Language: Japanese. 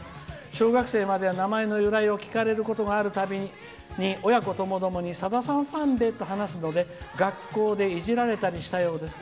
小学生までは名前の由来を聞かれることがあるたび親子ともどもにさださんファンでと話すので学校でいじられたりしたようです」。